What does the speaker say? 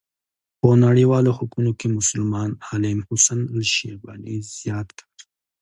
په نړيوالو حقوقو کې مسلمان عالم حسن الشيباني زيات کار